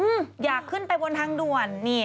อืมอยากขึ้นไปบนทางด่วนนี่